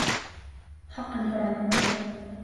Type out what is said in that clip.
Хаҡын һораным.